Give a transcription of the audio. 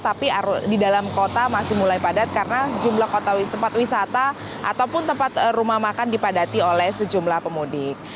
tapi di dalam kota masih mulai padat karena jumlah tempat wisata ataupun tempat rumah makan dipadati oleh sejumlah pemudik